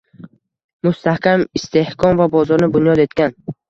Mustahkam istehkom va bozorni bunyod etgan